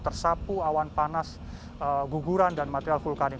tersapu awan panas guguran dan material vulkanik